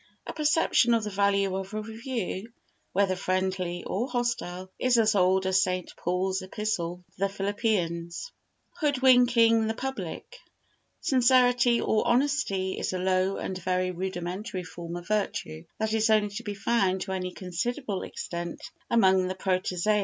A perception of the value of a review, whether friendly or hostile, is as old as St. Paul's Epistle to the Philippians. Hoodwinking the Public Sincerity or honesty is a low and very rudimentary form of virtue that is only to be found to any considerable extent among the protozoa.